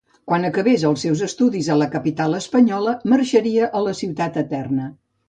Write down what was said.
Quan acabés els seus estudis a la capital espanyola marxaria a la ciutat eterna.